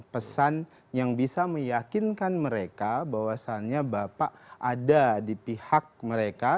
pesan yang bisa meyakinkan mereka bahwasannya bapak ada di pihak mereka